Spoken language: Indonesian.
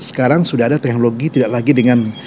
sekarang sudah ada teknologi tidak lagi dengan